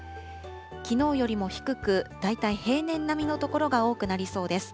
きのうよりも低く、大体平年並みの所が多くなりそうです。